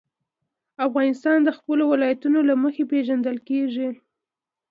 افغانستان د خپلو ولایتونو له مخې پېژندل کېږي.